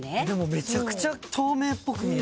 めちゃくちゃ透明っぽく見えます。